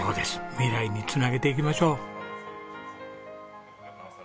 未来につなげていきましょう！